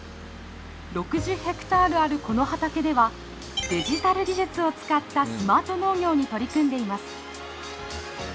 ６０ヘクタールあるこの畑ではデジタル技術を使ったスマート農業に取り組んでいます。